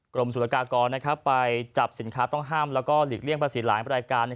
กรมศุลกากรไปจับสินค้าต้องห้ามแล้วก็หลีกเลี่ยงภาษีหลายรายการ